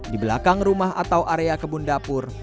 di belakang rumah atau area kebun dapur